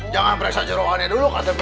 jangan periksa jerohannya dulu ktp